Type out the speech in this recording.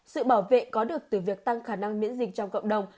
sự bảo vệ có được từ việc tăng khả năng miễn dịch trong cộng đồng